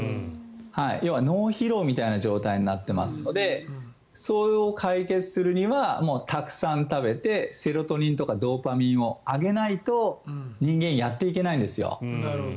要は脳疲労みたいな状態になっていますのでそれを解決するにはたくさん食べてセロトニンとかドーパミンを上げないと人間、やっていけないんですよ。